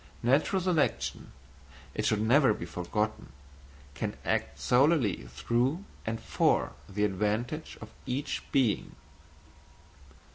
Natural selection, it should never be forgotten, can act solely through and for the advantage of each being.